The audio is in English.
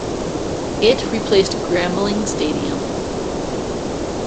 It replaced Grambling Stadium.